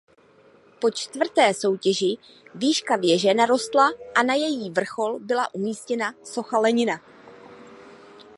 Po čtvrté soutěži výška věže narostla a na její vrchol byla umístěna socha Lenina.